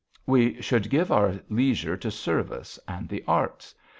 We should give our leisure to service and the arts.